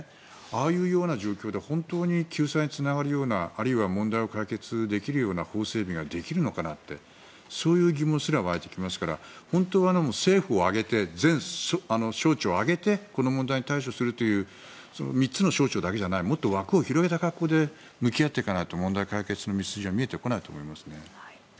ああいう状況で本当に救済につながるようなあるいは問題を解決できるような法整備ができるのかなってそういう疑問すら湧いてきますから本当は政府を挙げて全省庁を挙げてこの問題に対処するという３つの省庁だけじゃないもっと枠を広げた格好で向き合っていかないと問題解決の道筋は見えてこないと思いますね。